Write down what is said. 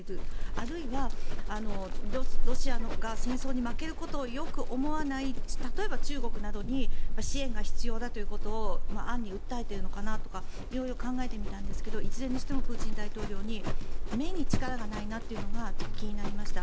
あるいは、ロシアが戦争に負けることをよく思わない例えば中国などに支援が必要だということを暗に訴えているのかなとか色々考えてみたんですがいずれにしてもプーチン大統領の目に力がないなというのが気になりました。